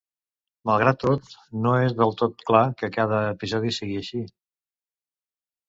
Malgrat tot, no és del tot clar que a cada episodi sigui així.